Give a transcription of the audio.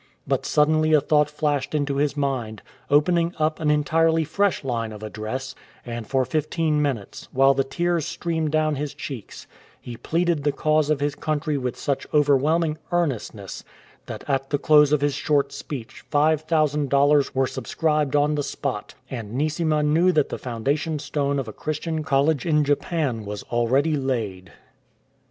But suddenly a thought flashed into his mind, opening up an entirely fresh line of address, and for fifteen minutes, while the tears streamed down his cheeks, he pleaded the cause of his country with such overwhelming earnestness that at the close of his short speech 5000 dollars were subscribed on the spot, and Neesima knew that the foundation stone of a Christian College in Japan was already laid.